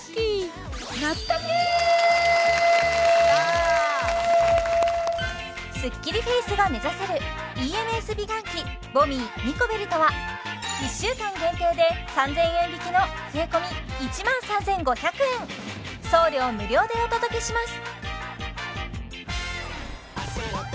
やったスッキリフェイスが目指せるＥＭＳ美顔器ＶＯＮＭＩＥニコベルトは１週間限定で３０００円引きの税込１万３５００円送料無料でお届けします